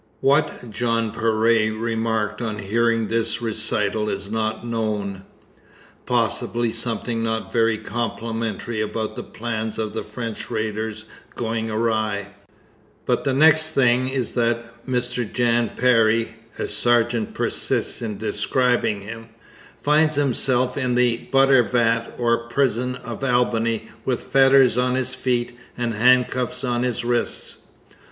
What Jean Péré remarked on hearing this recital is not known possibly something not very complimentary about the plans of the French raiders going awry; but the next thing is that Mr Jan Parry as Sargeant persists in describing him finds himself in 'the butter vat' or prison of Albany with fetters on his feet and handcuffs on his wrists.